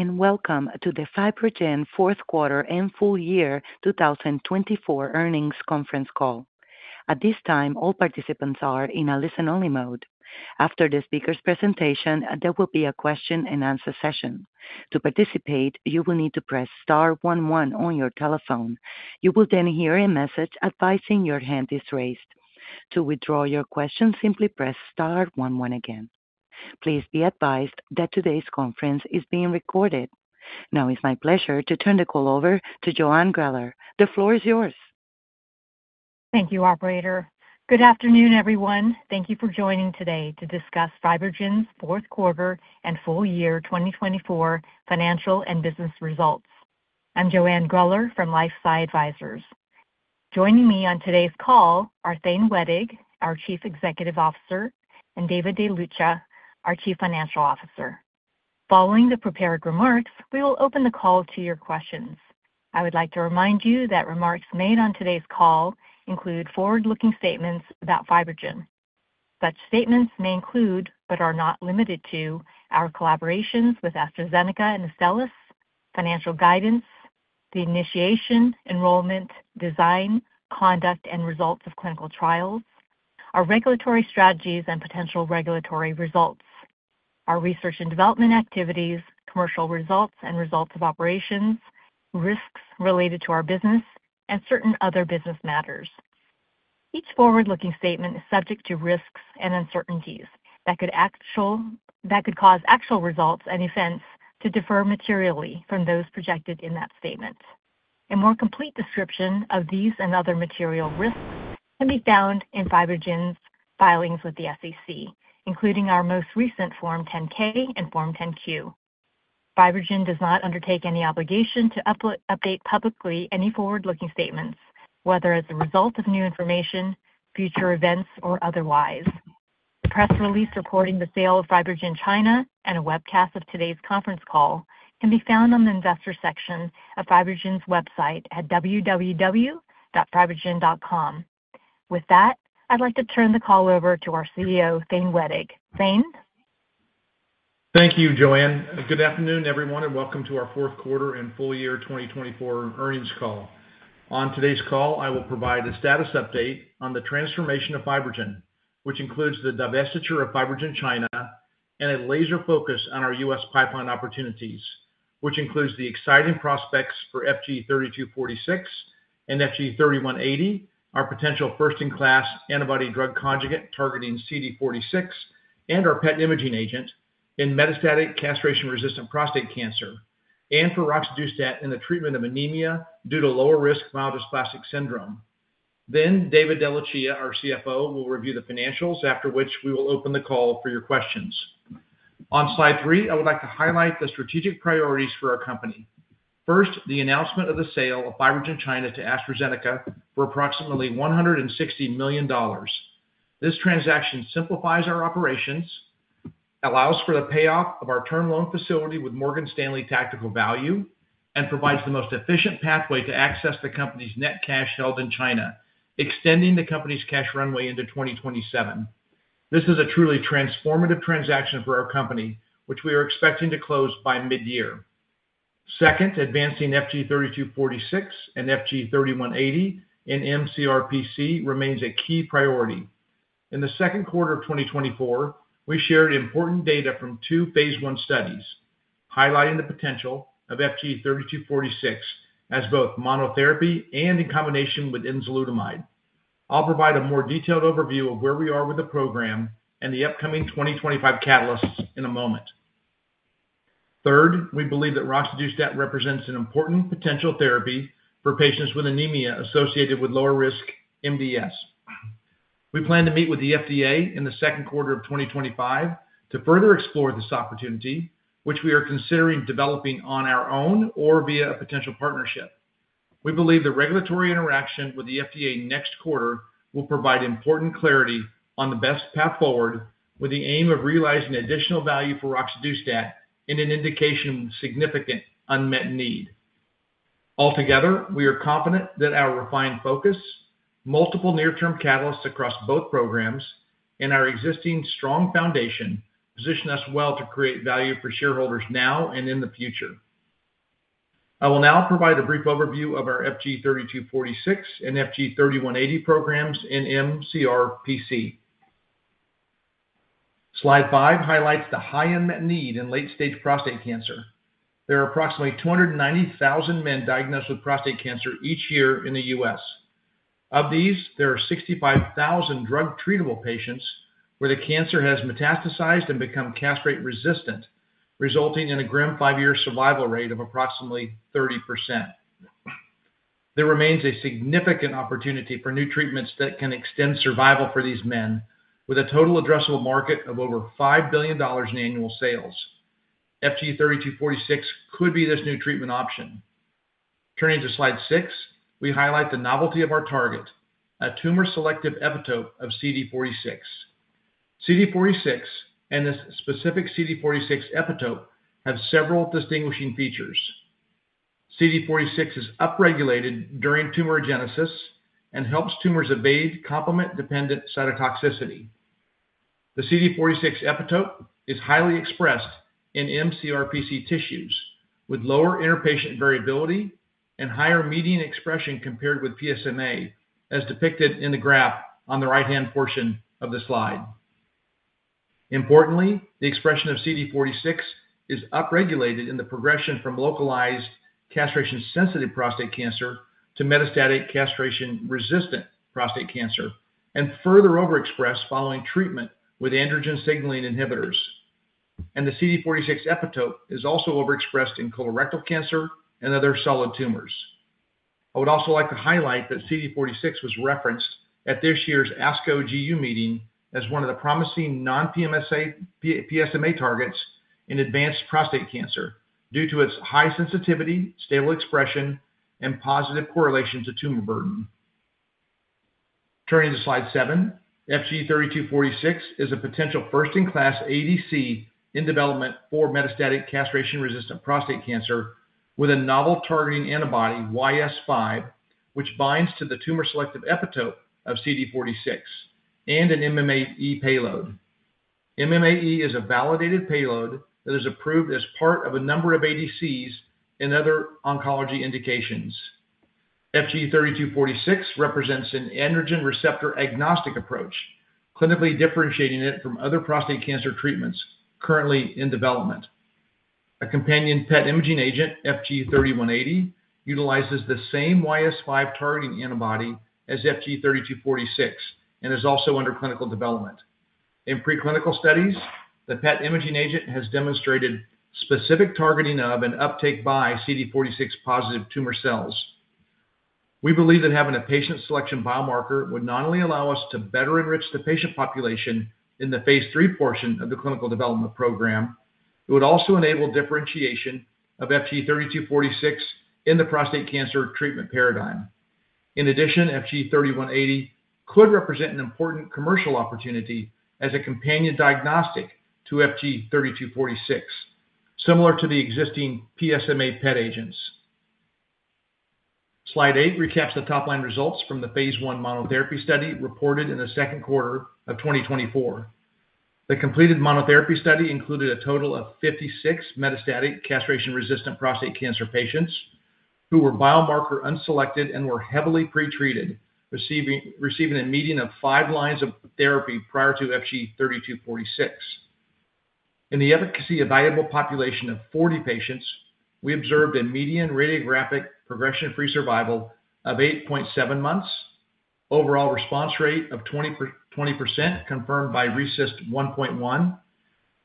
Welcome to the FibroGen Fourth Quarter and Full Year 2024 Earnings Conference Call. At this time, all participants are in a listen-only mode. After the speaker's presentation, there will be a question-and-answer session. To participate, you will need to press Star one one on your telephone. You will then hear a message advising your hand is raised. To withdraw your question, simply press Star one one again. Please be advised that today's conference is being recorded. Now, it's my pleasure to turn the call over to Joanne Greller. The floor is yours. Thank you, Operator. Good afternoon, everyone. Thank you for joining today to discuss FibroGen's fourth quarter and full year 2024 financial and business results. I'm Joanne Greller from LifeSci Advisors. Joining me on today's call are Thane Wettig, our Chief Executive Officer, and David DeLucia, our Chief Financial Officer. Following the prepared remarks, we will open the call to your questions. I would like to remind you that remarks made on today's call include forward-looking statements about FibroGen. Such statements may include, but are not limited to, our collaborations with AstraZeneca and Astellas, financial guidance, the initiation, enrollment, design, conduct, and results of clinical trials, our regulatory strategies and potential regulatory results, our research and development activities, commercial results and results of operations, risks related to our business, and certain other business matters. Each forward-looking statement is subject to risks and uncertainties that could cause actual results and events to differ materially from those projected in that statement. A more complete description of these and other material risks can be found in FibroGen's filings with the SEC, including our most recent Form 10-K and Form 10-Q. FibroGen does not undertake any obligation to update publicly any forward-looking statements, whether as a result of new information, future events, or otherwise. The press release reporting the sale of FibroGen China and a webcast of today's conference call can be found on the investor section of FibroGen's website at www.fibrogen.com. With that, I'd like to turn the call over to our CEO, Thane Wettig. Thane. Thank you, Joanne. Good afternoon, everyone, and welcome to our Fourth Quarter and Full Year 2024 Earnings Call. On today's call, I will provide a status update on the transformation of FibroGen, which includes the divestiture of FibroGen China and a laser focus on our U.S. pipeline opportunities, which includes the exciting prospects for FG-3246 and FG-3180, our potential first-in-class antibody-drug conjugate targeting CD46 and our PET imaging agent in metastatic castration-resistant prostate cancer, and for roxadustat in the treatment of anemia due to lower-risk myelodysplastic syndrome. David DeLucia, our CFO, will review the financials, after which we will open the call for your questions. On slide three, I would like to highlight the strategic priorities for our company. First, the announcement of the sale of FibroGen China to AstraZeneca for approximately $160 million. This transaction simplifies our operations, allows for the payoff of our term loan facility with Morgan Stanley Tactical Value, and provides the most efficient pathway to access the company's net cash held in China, extending the company's cash runway into 2027. This is a truly transformative transaction for our company, which we are expecting to close by mid-year. Second, advancing FG-3246 and FG-3180 in mCRPC remains a key priority. In the second quarter of 2024, we shared important data from two phase I studies, highlighting the potential of FG-3246 as both monotherapy and in combination with enzalutamide. I'll provide a more detailed overview of where we are with the program and the upcoming 2025 catalysts in a moment. Third, we believe that roxadustat represents an important potential therapy for patients with anemia associated with lower-risk MDS. We plan to meet with the FDA in the second quarter of 2025 to further explore this opportunity, which we are considering developing on our own or via a potential partnership. We believe the regulatory interaction with the FDA next quarter will provide important clarity on the best path forward, with the aim of realizing additional value for roxadustat and an indication of significant unmet need. Altogether, we are confident that our refined focus, multiple near-term catalysts across both programs, and our existing strong foundation position us well to create value for shareholders now and in the future. I will now provide a brief overview of our FG-3246 and FG-3180 programs in mCRPC. Slide five highlights the high unmet need in late-stage prostate cancer. There are approximately 290,000 men diagnosed with prostate cancer each year in the U.S. Of these, there are 65,000 drug-treatable patients where the cancer has metastasized and become castrate-resistant, resulting in a grim five-year survival rate of approximately 30%. There remains a significant opportunity for new treatments that can extend survival for these men, with a total addressable market of over $5 billion in annual sales. FG-3246 could be this new treatment option. Turning to slide six, we highlight the novelty of our target, a tumor-selective epitope of CD46. CD46 and this specific CD46 epitope have several distinguishing features. CD46 is upregulated during tumorogenesis and helps tumors evade complement-dependent cytotoxicity. The CD46 epitope is highly expressed in mCRPC tissues with lower interpatient variability and higher median expression compared with PSMA, as depicted in the graph on the right-hand portion of the slide. Importantly, the expression of CD46 is upregulated in the progression from localized castration-sensitive prostate cancer to metastatic castration-resistant prostate cancer and further overexpressed following treatment with androgen signaling inhibitors. The CD46 epitope is also overexpressed in colorectal cancer and other solid tumors. I would also like to highlight that CD46 was referenced at this year's ASCO GU meeting as one of the promising non-PSMA targets in advanced prostate cancer due to its high sensitivity, stable expression, and positive correlation to tumor burden. Turning to slide seven, FG-3246 is a potential first-in-class ADC in development for metastatic castration-resistant prostate cancer with a novel targeting antibody, YS5, which binds to the tumor-selective epitope of CD46 and an MMAE payload. MMAE is a validated payload that is approved as part of a number of ADCs and other oncology indications. FG-3246 represents an androgen receptor agnostic approach, clinically differentiating it from other prostate cancer treatments currently in development. A companion PET imaging agent, FG-3180, utilizes the same YS5 targeting antibody as FG-3246 and is also under clinical development. In preclinical studies, the PET imaging agent has demonstrated specific targeting of and uptake by CD46-positive tumor cells. We believe that having a patient selection biomarker would not only allow us to better enrich the patient population in the phase III portion of the clinical development program, it would also enable differentiation of FG-3246 in the prostate cancer treatment paradigm. In addition, FG-3180 could represent an important commercial opportunity as a companion diagnostic to FG-3246, similar to the existing PSMA PET agents. Slide eight recaps the top-line results from the phase I monotherapy study reported in the second quarter of 2024. The completed monotherapy study included a total of 56 metastatic castration-resistant prostate cancer patients who were biomarker unselected and were heavily pretreated, receiving a median of five lines of therapy prior to FG-3246. In the efficacy-available population of 40 patients, we observed a median radiographic progression-free survival of 8.7 months, overall response rate of 20% confirmed by RECIST 1.1,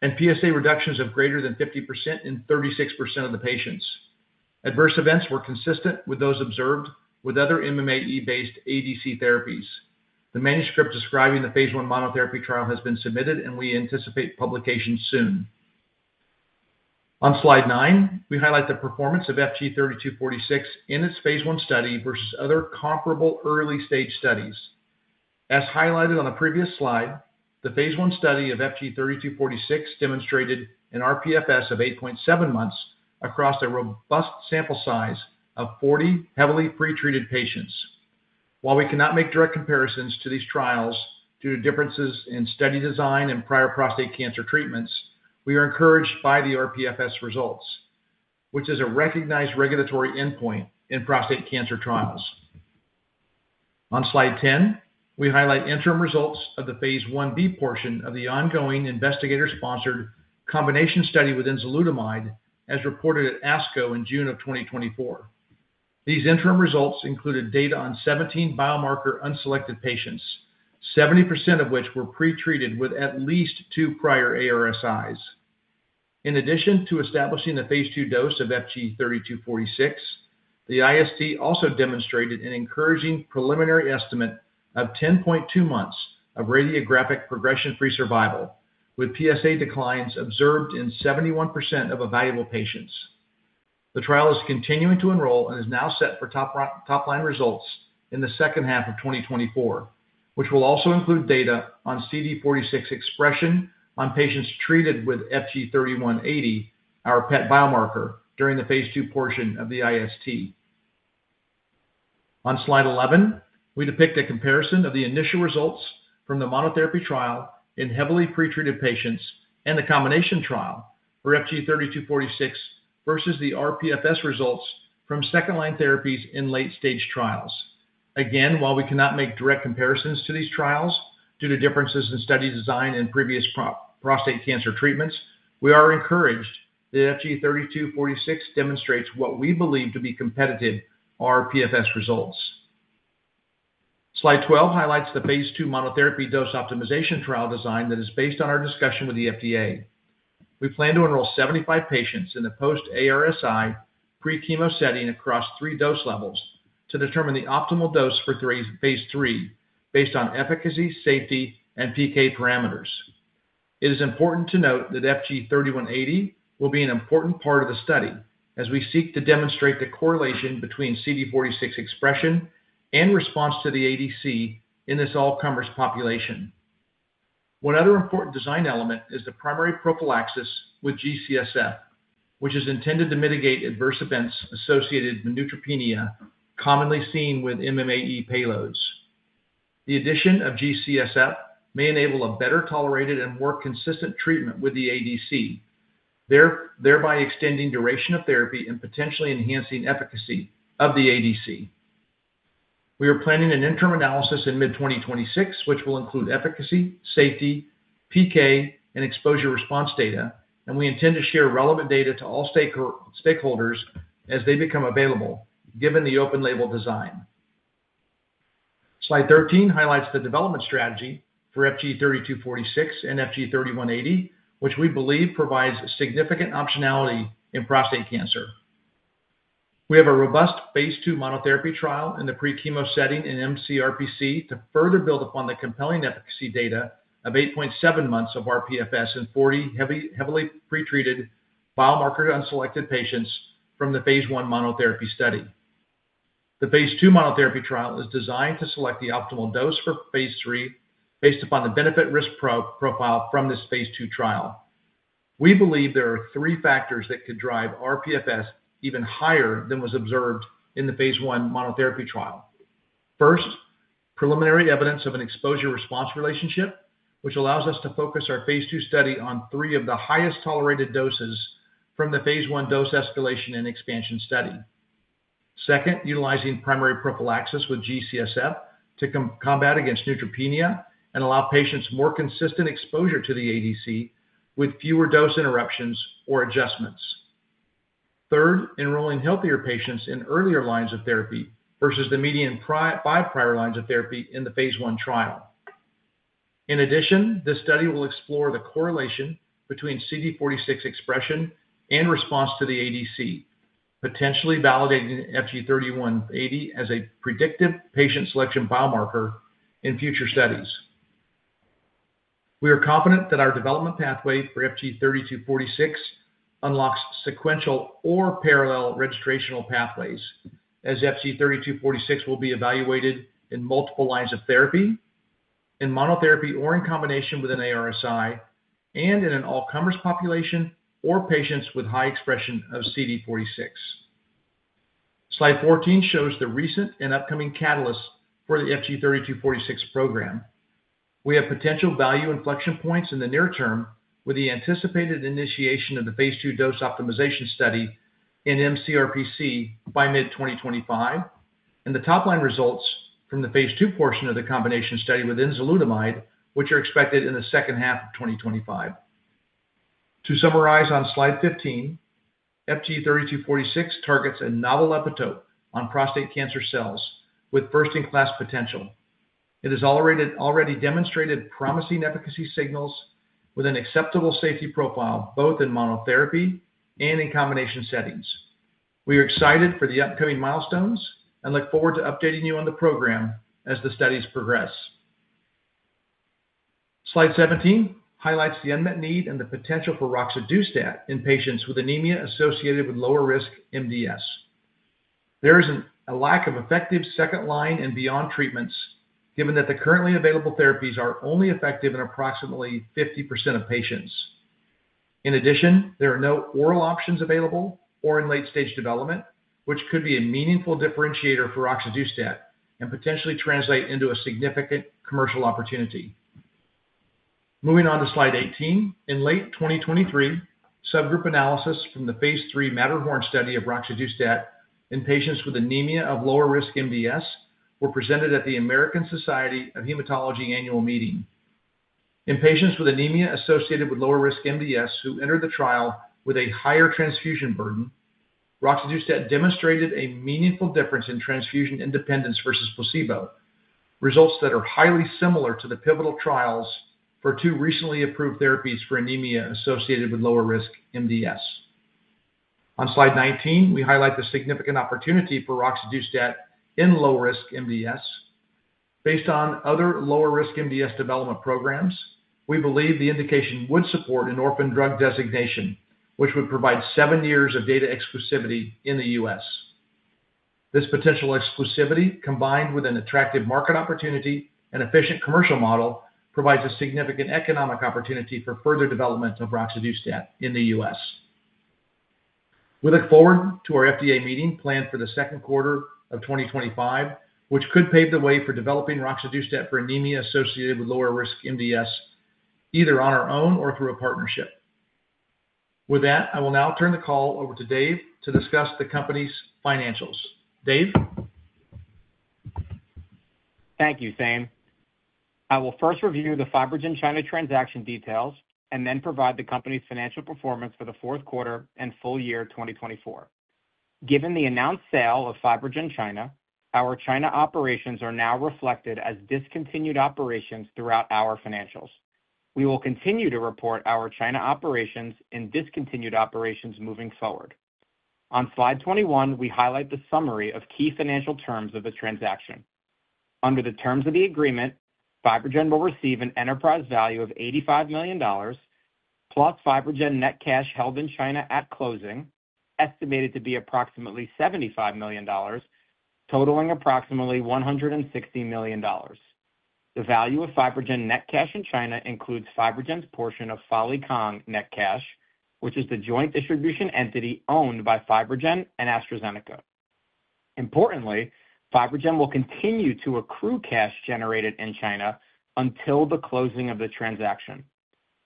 and PSA reductions of greater than 50% in 36% of the patients. Adverse events were consistent with those observed with other MMAE-based ADC therapies. The manuscript describing the phase I monotherapy trial has been submitted, and we anticipate publication soon. On slide nine, we highlight the performance of FG-3246 in its phase I study versus other comparable early-stage studies. As highlighted on the previous slide, the phase I study of FG-3246 demonstrated an rPFS of 8.7 months across a robust sample size of 40 heavily pretreated patients. While we cannot make direct comparisons to these trials due to differences in study design and prior prostate cancer treatments, we are encouraged by the rPFS results, which is a recognized regulatory endpoint in prostate cancer trials. On slide ten, we highlight interim results of the phase Ib portion of the ongoing investigator-sponsored combination study with enzalutamide as reported at ASCO in June of 2024. These interim results included data on 17 biomarker unselected patients, 70% of which were pretreated with at least two prior ARSIs. In addition to establishing the phase II dose of FG-3246, the IST also demonstrated an encouraging preliminary estimate of 10.2 months of radiographic progression-free survival, with PSA declines observed in 71% of available patients. The trial is continuing to enroll and is now set for top-line results in the second half of 2024, which will also include data on CD46 expression on patients treated with FG-3180, our PET biomarker, during the phase II portion of the IST. On slide 11, we depict a comparison of the initial results from the monotherapy trial in heavily pretreated patients and the combination trial for FG-3246 versus the rPFS results from second-line therapies in late-stage trials. Again, while we cannot make direct comparisons to these trials due to differences in study design and previous prostate cancer treatments, we are encouraged that FG-3246 demonstrates what we believe to be competitive rPFS results. Slide 12 highlights the phase II monotherapy dose optimization trial design that is based on our discussion with the FDA. We plan to enroll 75 patients in the post-ARSI pre-chemo setting across three dose levels to determine the optimal dose for phase III based on efficacy, safety, and PK parameters. It is important to note that FG-3180 will be an important part of the study as we seek to demonstrate the correlation between CD46 expression and response to the ADC in this all-comers population. One other important design element is the primary prophylaxis with G-CSF, which is intended to mitigate adverse events associated with neutropenia commonly seen with MMAE payloads. The addition of G-CSF may enable a better tolerated and more consistent treatment with the ADC, thereby extending duration of therapy and potentially enhancing efficacy of the ADC. We are planning an interim analysis in mid-2026, which will include efficacy, safety, PK, and exposure response data, and we intend to share relevant data to all stakeholders as they become available, given the open-label design. Slide 13 highlights the development strategy for FG-3246 and FG-3180, which we believe provides significant optionality in prostate cancer. We have a robust phase II monotherapy trial in the pre-chemo setting in mCRPC to further build upon the compelling efficacy data of 8.7 months of rPFS in 40 heavily pretreated biomarker unselected patients from the phase I monotherapy study. The phase II monotherapy trial is designed to select the optimal dose for phase III based upon the benefit-risk profile from this phase II trial. We believe there are three factors that could drive rPFS even higher than was observed in the phase I monotherapy trial. First, preliminary evidence of an exposure-response relationship, which allows us to focus our phase II study on three of the highest tolerated doses from the phase I dose escalation and expansion study. Second, utilizing primary prophylaxis with G-CSF to combat against neutropenia and allow patients more consistent exposure to the ADC with fewer dose interruptions or adjustments. Third, enrolling healthier patients in earlier lines of therapy versus the median by prior lines of therapy in the phase I trial. In addition, this study will explore the correlation between CD46 expression and response to the ADC, potentially validating FG-3180 as a predictive patient selection biomarker in future studies. We are confident that our development pathway for FG-3246 unlocks sequential or parallel registrational pathways as FG-3246 will be evaluated in multiple lines of therapy, in monotherapy or in combination with an ARSI, and in an all-comers population or patients with high expression of CD46. Slide 14 shows the recent and upcoming catalysts for the FG-3246 program. We have potential value inflection points in the near term with the anticipated initiation of the phase II dose optimization study in mCRPC by mid-2025, and the top-line results from the phase II portion of the combination study with enzalutamide, which are expected in the second half of 2025. To summarize on slide 15, FG-3246 targets a novel epitope on prostate cancer cells with first-in-class potential. It has already demonstrated promising efficacy signals with an acceptable safety profile both in monotherapy and in combination settings. We are excited for the upcoming milestones and look forward to updating you on the program as the studies progress. Slide 17 highlights the unmet need and the potential for roxadustat in patients with anemia associated with lower-risk MDS. There is a lack of effective second-line and beyond treatments, given that the currently available therapies are only effective in approximately 50% of patients. In addition, there are no oral options available or in late-stage development, which could be a meaningful differentiator for roxadustat and potentially translate into a significant commercial opportunity. Moving on to slide 18, in late 2023, subgroup analysis from the phase III Matterhorn study of roxadustat in patients with anemia of lower-risk MDS were presented at the American Society of Hematology annual meeting. In patients with anemia associated with lower-risk MDS who entered the trial with a higher transfusion burden, roxadustat demonstrated a meaningful difference in transfusion independence versus placebo, results that are highly similar to the pivotal trials for two recently approved therapies for anemia associated with lower-risk MDS. On slide 19, we highlight the significant opportunity for roxadustat in low-risk MDS. Based on other lower-risk MDS development programs, we believe the indication would support an orphan drug designation, which would provide seven years of data exclusivity in the U.S. This potential exclusivity, combined with an attractive market opportunity and efficient commercial model, provides a significant economic opportunity for further development of roxadustat in the U.S. We look forward to our FDA meeting planned for the second quarter of 2025, which could pave the way for developing roxadustat for anemia associated with lower-risk MDS, either on our own or through a partnership. With that, I will now turn the call over to Dave to discuss the company's financials. Dave? Thank you, Thane. I will first review the FibroGen China transaction details and then provide the company's financial performance for the fourth quarter and full year 2024. Given the announced sale of FibroGen China, our China operations are now reflected as discontinued operations throughout our financials. We will continue to report our China operations and discontinued operations moving forward. On slide 21, we highlight the summary of key financial terms of the transaction. Under the terms of the agreement, FibroGen will receive an enterprise value of $85 million, plus FibroGen net cash held in China at closing, estimated to be approximately $75 million, totaling approximately $160 million. The value of FibroGen net cash in China includes FibroGen's portion of Falikang net cash, which is the joint distribution entity owned by FibroGen and AstraZeneca. Importantly, FibroGen will continue to accrue cash generated in China until the closing of the transaction.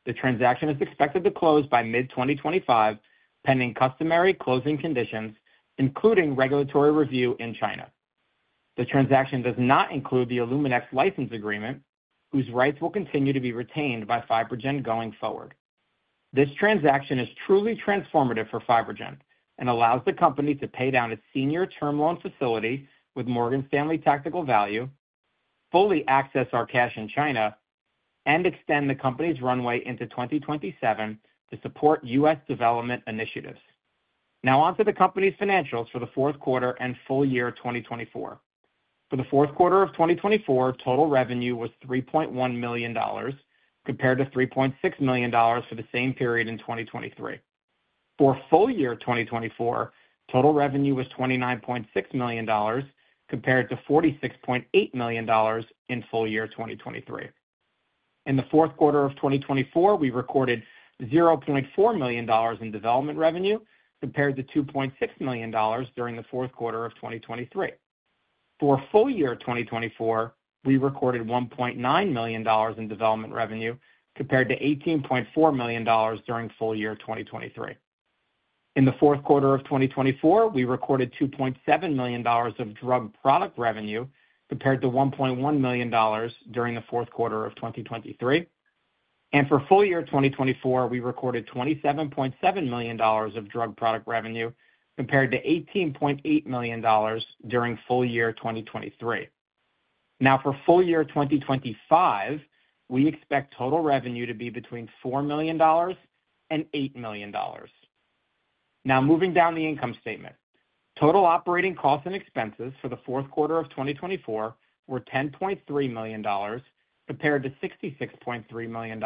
The transaction is expected to close by mid-2025, pending customary closing conditions, including regulatory review in China. The transaction does not include the Eluminex license agreement, whose rights will continue to be retained by FibroGen going forward. This transaction is truly transformative for FibroGen and allows the company to pay down its senior term loan facility with Morgan Stanley Tactical Value, fully access our cash in China, and extend the company's runway into 2027 to support U.S. development initiatives. Now on to the company's financials for the fourth quarter and full year 2024. For the fourth quarter of 2024, total revenue was $3.1 million, compared to $3.6 million for the same period in 2023. For full year 2024, total revenue was $29.6 million, compared to $46.8 million in full year 2023. In the fourth quarter of 2024, we recorded $0.4 million in development revenue, compared to $2.6 million during the fourth quarter of 2023. For full year 2024, we recorded $1.9 million in development revenue, compared to $18.4 million during full year 2023. In the fourth quarter of 2024, we recorded $2.7 million of drug product revenue, compared to $1.1 million during the fourth quarter of 2023. For full year 2024, we recorded $27.7 million of drug product revenue, compared to $18.8 million during full year 2023. Now for full year 2025, we expect total revenue to be between $4 million and $8 million. Now moving down the income statement, total operating costs and expenses for the fourth quarter of 2024 were $10.3 million, compared to $66.3 million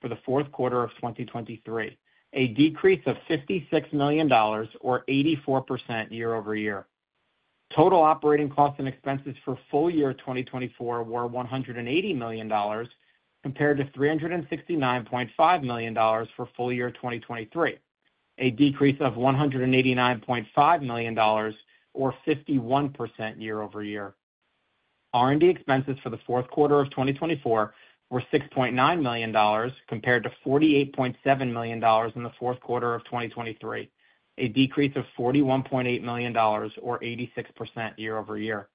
for the fourth quarter of 2023, a decrease of $56 million, or 84% year over year. Total operating costs and expenses for full year 2024 were $180 million, compared to $369.5 million for full year 2023, a decrease of $189.5 million, or 51% year over year. R&D expenses for the fourth quarter of 2024 were $6.9 million, compared to $48.7 million in the fourth quarter of 2023, a decrease of $41.8 million, or 86% year over year.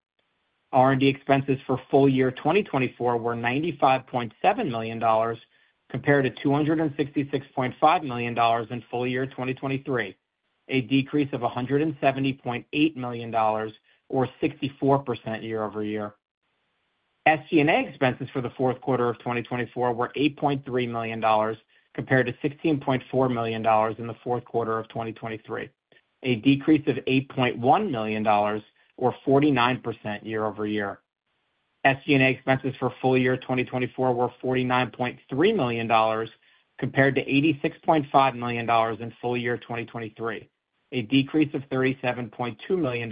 R&D expenses for full year 2024 were $95.7 million, compared to $266.5 million in full year 2023, a decrease of $170.8 million, or 64% year over year. SG&A expenses for the fourth quarter of 2024 were $8.3 million, compared to $16.4 million in the fourth quarter of 2023, a decrease of $8.1 million, or 49% year over year. SG&A expenses for full year 2024 were $49.3 million, compared to $86.5 million in full year 2023, a decrease of $37.2 million,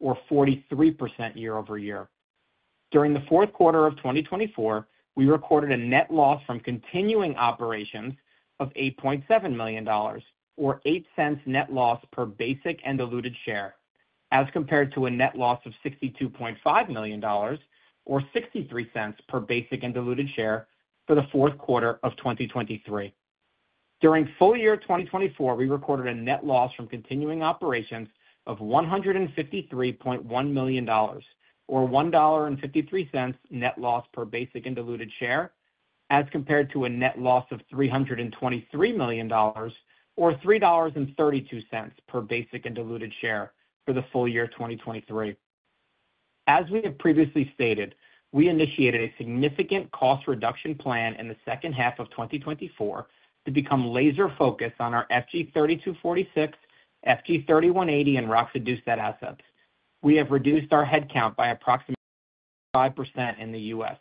or 43% year over year. During the fourth quarter of 2024, we recorded a net loss from continuing operations of $8.7 million, or $0.08 net loss per basic and diluted share, as compared to a net loss of $62.5 million, or $0.63 per basic and diluted share for the fourth quarter of 2023. During full year 2024, we recorded a net loss from continuing operations of $153.1 million, or $1.53 net loss per basic and diluted share, as compared to a net loss of $323 million, or $3.32 per basic and diluted share for the full year 2023. As we have previously stated, we initiated a significant cost reduction plan in the second half of 2024 to become laser-focused on our FG-3246, FG-3180, and roxadustat assets. We have reduced our headcount by approximately 5% in the U.S.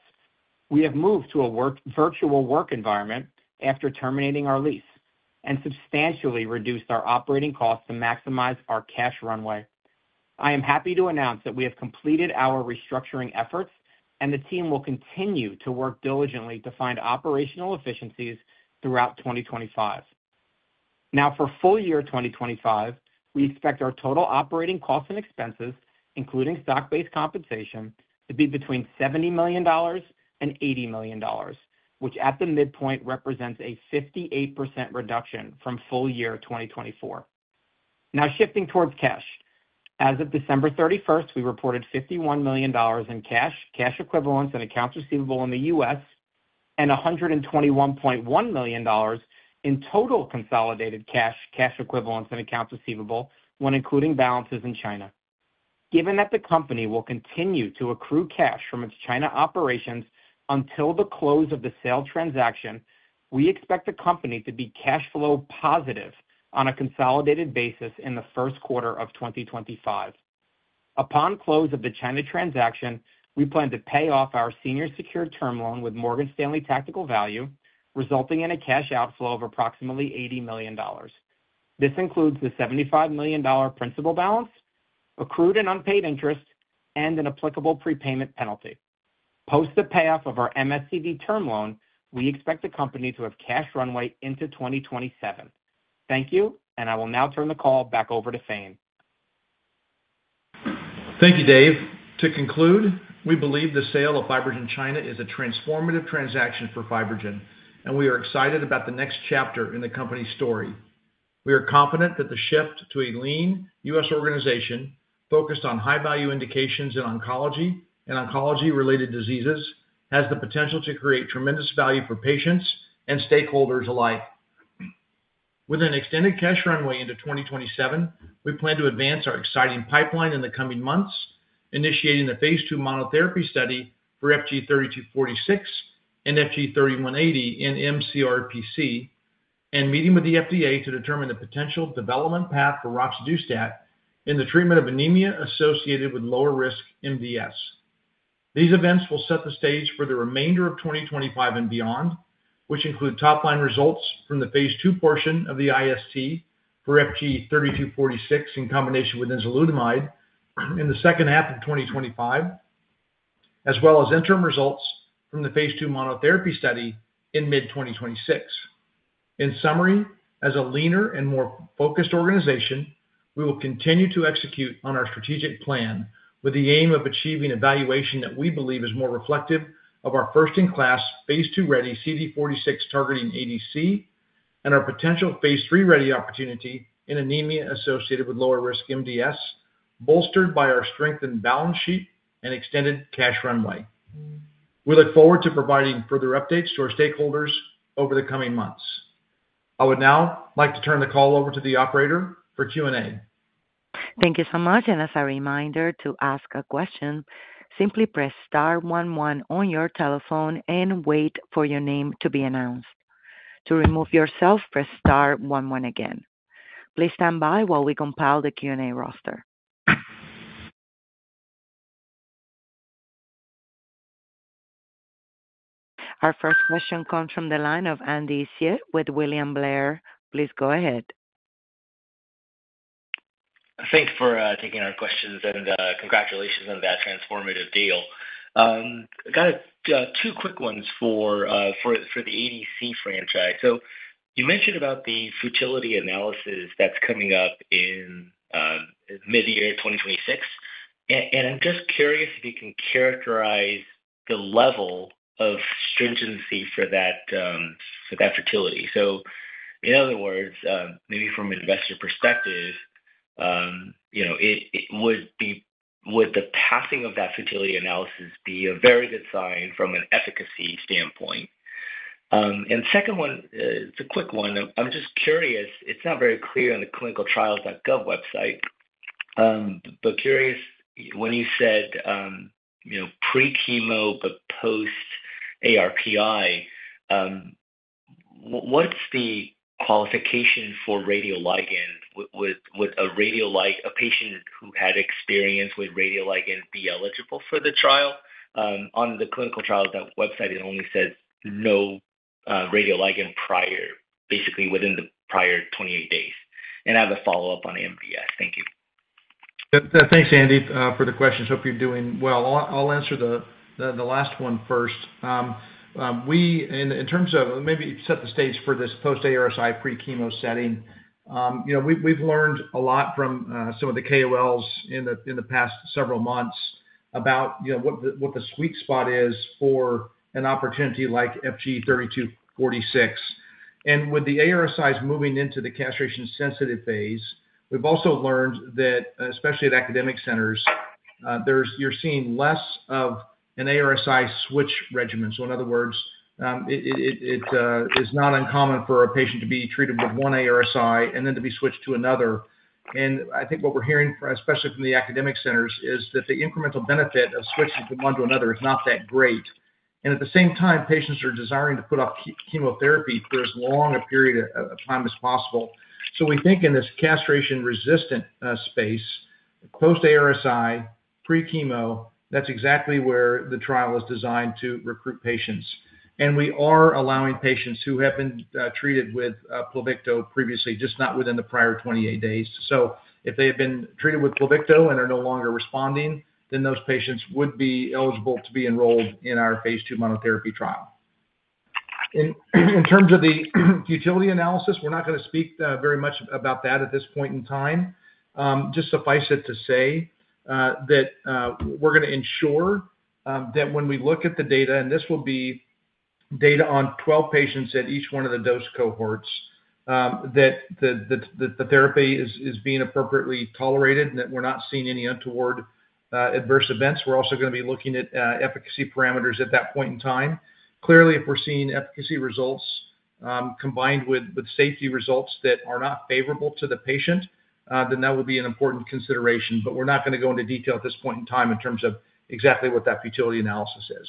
We have moved to a virtual work environment after terminating our lease and substantially reduced our operating costs to maximize our cash runway. I am happy to announce that we have completed our restructuring efforts, and the team will continue to work diligently to find operational efficiencies throughout 2025. Now for full year 2025, we expect our total operating costs and expenses, including stock-based compensation, to be between $70 million and $80 million, which at the midpoint represents a 58% reduction from full year 2024. Now shifting towards cash. As of December 31st, we reported $51 million in cash, cash equivalents and accounts receivable in the U.S., and $121.1 million in total consolidated cash, cash equivalents and accounts receivable, when including balances in China. Given that the company will continue to accrue cash from its China operations until the close of the sale transaction, we expect the company to be cash flow positive on a consolidated basis in the first quarter of 2025. Upon close of the China transaction, we plan to pay off our senior secured term loan with Morgan Stanley Tactical Value, resulting in a cash outflow of approximately $80 million. This includes the $75 million principal balance, accrued and unpaid interest, and an applicable prepayment penalty. Post the payoff of our MSTV term loan, we expect the company to have cash runway into 2027. Thank you, and I will now turn the call back over to Thane. Thank you, Dave. To conclude, we believe the sale of FibroGen China is a transformative transaction for FibroGen, and we are excited about the next chapter in the company's story. We are confident that the shift to a lean U.S. organization focused on high-value indications in oncology and oncology-related diseases has the potential to create tremendous value for patients and stakeholders alike. With an extended cash runway into 2027, we plan to advance our exciting pipeline in the coming months, initiating the phase II monotherapy study for FG-3246 and FG-3180 in mCRPC, and meeting with the FDA to determine the potential development path for roxadustat in the treatment of anemia associated with lower-risk MDS. These events will set the stage for the remainder of 2025 and beyond, which include top-line results from the phase II portion of the IST for FG-3246 in combination with enzalutamide in the second half of 2025, as well as interim results from the phase II monotherapy study in mid-2026. In summary, as a leaner and more focused organization, we will continue to execute on our strategic plan with the aim of achieving evaluation that we believe is more reflective of our first-in-class phase II ready CD46 targeting ADC and our potential phase III ready opportunity in anemia associated with lower-risk MDS, bolstered by our strengthened balance sheet and extended cash runway. We look forward to providing further updates to our stakeholders over the coming months. I would now like to turn the call over to the operator for Q&A. Thank you so much. As a reminder to ask a question, simply press star one one on your telephone and wait for your name to be announced. To remove yourself, press star one one again. Please stand by while we compile the Q&A roster. Our first question comes from the line of Andy Hsieh with William Blair. Please go ahead. Thank you for taking our questions and congratulations on that transformative deal. Got two quick ones for the ADC franchise. You mentioned about the futility analysis that's coming up in mid-year 2026. I'm just curious if you can characterize the level of stringency for that futility. In other words, maybe from an investor perspective, would the passing of that futility analysis be a very good sign from an efficacy standpoint? Second one, it's a quick one. I'm just curious. It's not very clear on the clinicaltrials.gov website, but curious when you said pre-chemo but post-ARPI, what's the qualification for radioligand? Would a patient who had experience with radioligand be eligible for the trial? On the clinicaltrials.gov website, it only says no radioligand prior, basically within the prior 28 days. I have a follow-up on MDS. Thank you. Thanks, Andy, for the questions. Hope you're doing well. I'll answer the last one first. In terms of maybe setting the stage for this post-ARSI pre-chemo setting, we've learned a lot from some of the KOLs in the past several months about what the sweet spot is for an opportunity like FG-3246. With the ARSIs moving into the castration-sensitive phase, we've also learned that, especially at academic centers, you're seeing less of an ARSI switch regimen. In other words, it is not uncommon for a patient to be treated with one ARSI and then to be switched to another. I think what we're hearing, especially from the academic centers, is that the incremental benefit of switching from one to another is not that great. At the same time, patients are desiring to put off chemotherapy for as long a period of time as possible. We think in this castration-resistant space, post-ARSI, pre-chemo, that's exactly where the trial is designed to recruit patients. We are allowing patients who have been treated with Pluvicto previously, just not within the prior 28 days. If they have been treated with Pluvicto and are no longer responding, then those patients would be eligible to be enrolled in our phase II monotherapy trial. In terms of the futility analysis, we're not going to speak very much about that at this point in time. Just suffice it to say that we're going to ensure that when we look at the data, and this will be data on 12 patients at each one of the dose cohorts, that the therapy is being appropriately tolerated and that we're not seeing any untoward adverse events. We're also going to be looking at efficacy parameters at that point in time. Clearly, if we're seeing efficacy results combined with safety results that are not favorable to the patient, then that would be an important consideration. We are not going to go into detail at this point in time in terms of exactly what that futility analysis is.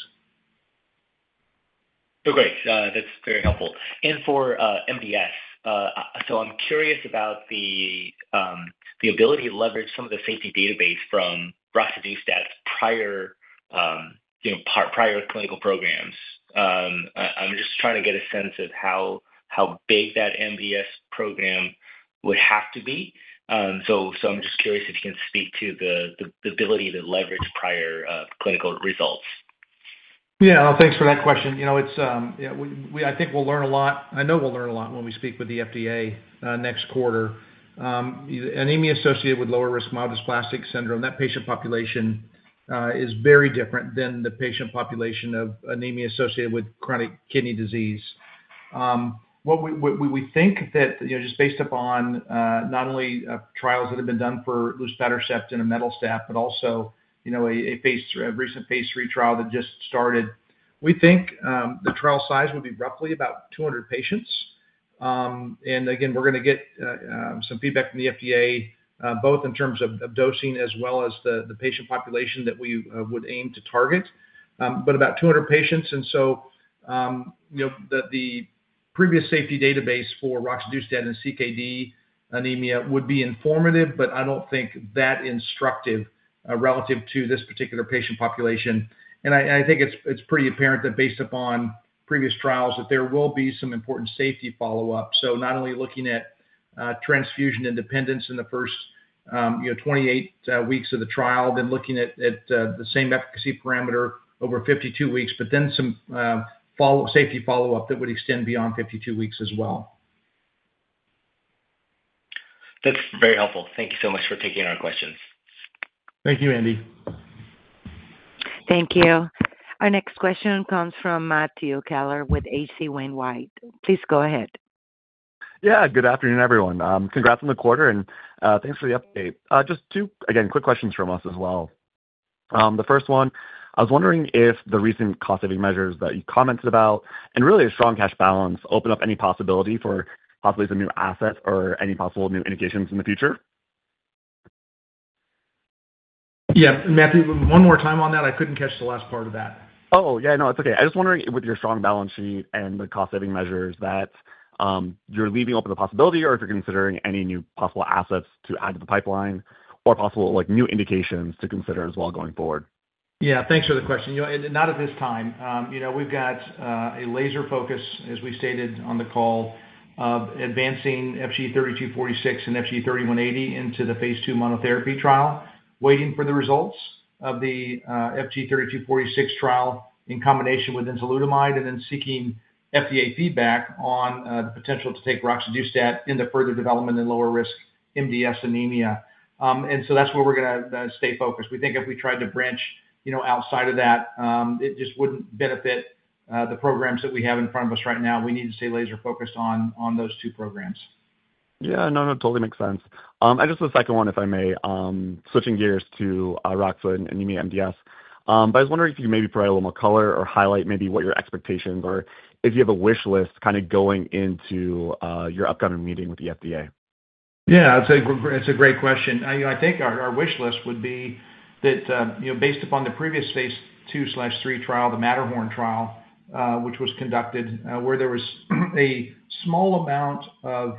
Okay. That's very helpful. For MDS, I'm curious about the ability to leverage some of the safety database from roxadustat's prior clinical programs. I'm just trying to get a sense of how big that MDS program would have to be. I'm just curious if you can speak to the ability to leverage prior clinical results. Yeah. Thanks for that question. I think we'll learn a lot. I know we'll learn a lot when we speak with the FDA next quarter. Anemia associated with lower-risk myelodysplastic syndrome, that patient population is very different than the patient population of anemia associated with chronic kidney disease. We think that just based upon not only trials that have been done for luspatercept and MDS, but also a recent phase III trial that just started, we think the trial size would be roughly about 200 patients. We're going to get some feedback from the FDA, both in terms of dosing as well as the patient population that we would aim to target, but about 200 patients. The previous safety database for roxadustat and CKD anemia would be informative, but I don't think that instructive relative to this particular patient population. I think it's pretty apparent that based upon previous trials, there will be some important safety follow-up. Not only looking at transfusion independence in the first 28 weeks of the trial, then looking at the same efficacy parameter over 52 weeks, but then some safety follow-up that would extend beyond 52 weeks as well. That's very helpful. Thank you so much for taking our questions. Thank you, Andy. Thank you. Our next question comes from Matthew Keller with H.C. Wainwright. Please go ahead. Yeah. Good afternoon, everyone. Congrats on the quarter, and thanks for the update. Just two, again, quick questions from us as well. The first one, I was wondering if the recent cost-saving measures that you commented about and really a strong cash balance open up any possibility for possibly some new assets or any possible new indications in the future? Yeah. Matthew, one more time on that. I couldn't catch the last part of that. Oh, yeah. No, it's okay. I was wondering with your strong balance sheet and the cost-saving measures that you're leaving open the possibility or if you're considering any new possible assets to add to the pipeline or possible new indications to consider as well going forward? Yeah. Thanks for the question. Not at this time. We've got a laser focus, as we stated on the call, advancing FG-3246 and FG-3180 into the phase II monotherapy trial, waiting for the results of the FG-3246 trial in combination with enzalutamide, and then seeking FDA feedback on the potential to take roxadustat in the further development in lower-risk MDS anemia. That is where we're going to stay focused. We think if we tried to branch outside of that, it just wouldn't benefit the programs that we have in front of us right now. We need to stay laser focused on those two programs. Yeah. No, no, totally makes sense. Just the second one, if I may, switching gears to Roxa, anemia MDS. I was wondering if you could maybe provide a little more color or highlight maybe what your expectations are if you have a wish list kind of going into your upcoming meeting with the FDA. Yeah. It's a great question. I think our wish list would be that based upon the previous phase II/ phase III trial, the Matterhorn trial, which was conducted where there was a small amount of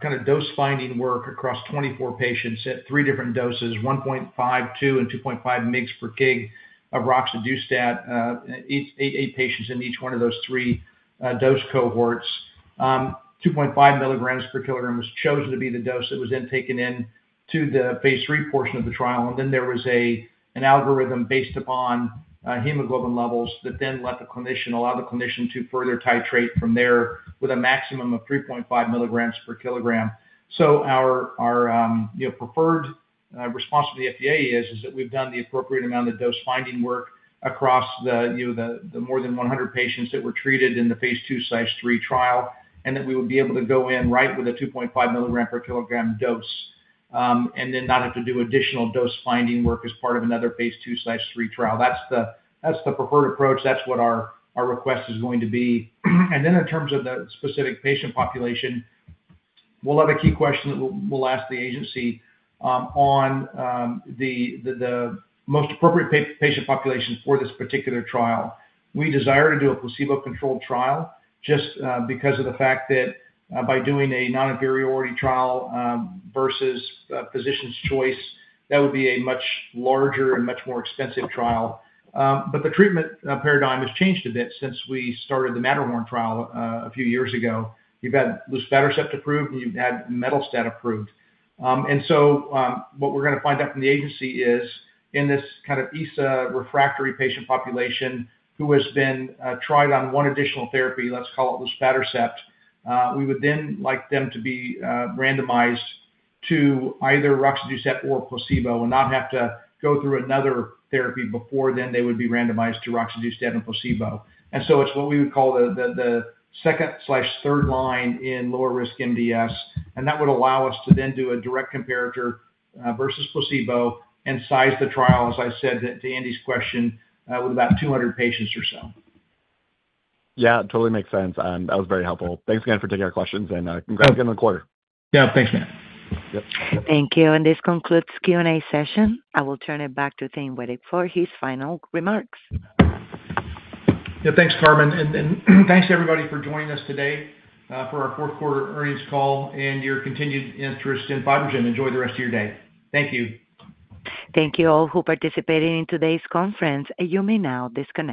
kind of dose-finding work across 24 patients at three different doses, 1.5 mg per kg, 2 mg per kg, and 2.5 mg per kg of roxadustat, eight patients in each one of those three dose cohorts. 2.5 mg per kg was chosen to be the dose that was then taken into the phase III portion of the trial. There was an algorithm based upon hemoglobin levels that then allowed the clinician to further titrate from there with a maximum of 3.5 milligrams per kilogram. Our preferred response from the FDA is that we've done the appropriate amount of dose-finding work across the more than 100 patients that were treated in the phase II/ phase III trial, and that we would be able to go in right with a 2.5 milligram per kilogram dose and then not have to do additional dose-finding work as part of another phase II/ phase III trial. That's the preferred approach. That's what our request is going to be. In terms of the specific patient population, we'll have a key question that we'll ask the agency on the most appropriate patient population for this particular trial. We desire to do a placebo-controlled trial just because of the fact that by doing a non-inferiority trial versus physician's choice, that would be a much larger and much more expensive trial. The treatment paradigm has changed a bit since we started the Matterhorn trial a few years ago. You've had luspatercept approved, and you've had roxadustat approved. What we're going to find out from the agency is in this kind of ESA refractory patient population who has been tried on one additional therapy, let's call it luspatercept, we would then like them to be randomized to either roxadustat or placebo and not have to go through another therapy before they would be randomized to roxadustat and placebo. It is what we would call the second/third line in lower-risk MDS. That would allow us to then do a direct comparator versus placebo and size the trial, as I said to Andy's question, with about 200 patients or so. Yeah. Totally makes sense. That was very helpful. Thanks again for taking our questions. And congrats again on the quarter. Yeah. Thanks, Matt. Thank you. This concludes Q&A session. I will turn it back to Thane Wettig for his final remarks. Yeah. Thanks, Carmen. Thanks to everybody for joining us today for our fourth quarter earnings call and your continued interest in FibroGen. Enjoy the rest of your day. Thank you. Thank you all who participated in today's conference. You may now disconnect.